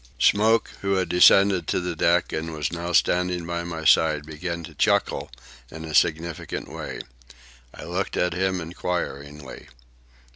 Smoke, who had descended to the deck and was now standing by my side, began to chuckle in a significant way. I looked at him inquiringly.